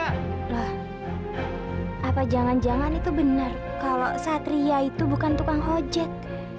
apa jangan jangan itu benar kalau satria itu bukan tukang ojek